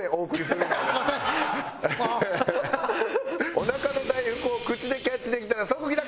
お腹の大福を口でキャッチできたら即帰宅！